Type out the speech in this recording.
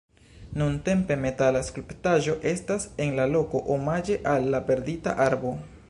Nuntempe metala skulptaĵo estas en la loko omaĝe al la perdita arbo..